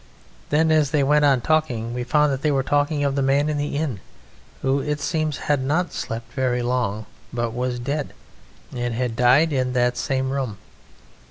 Then as they went on talking we found that they were talking of the man in the inn, who it seems had not slept very long, but was dead, and had died in that same room.